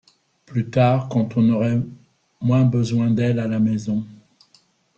Plus tard, quand on aurait moins besoin d’elle à la maison.